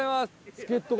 助っ人が。